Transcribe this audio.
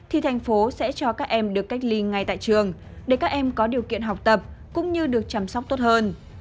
thì thành phố sẽ cho các em được cách ly ngay tại trường để các em có điều kiện học tập cũng như được chăm sóc tốt hơn